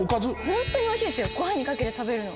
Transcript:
本当においしいですよご飯にかけて食べるの。